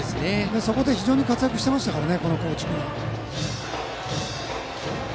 そこで活躍していましたからね。